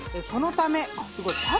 そのためあっすごい。